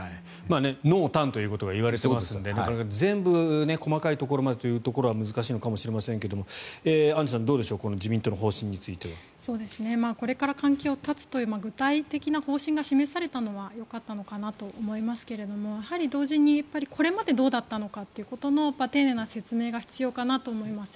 濃淡ということが言われていますのでなかなか全部細かいところまでというのは難しいのかもしれませんけどアンジュさん、どうでしょうこれから関係を絶つという具体的な方針が示されたのはよかったのかなと思いますけれどもやはり同時にこれまでどうだったのかということの丁寧な説明が必要かなと思います。